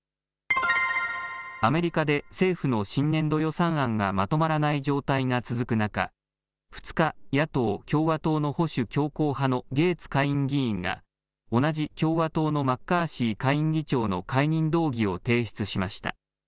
アメリカで政府の新年度予算案がまとまらない状態が続く中、２日、野党・共和党の保守強硬派のゲーツ下院議員が同じ共和党のマッカーシー下院議長の解任動議を提出しました。